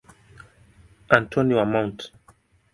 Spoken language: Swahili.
Antoni wa Mt.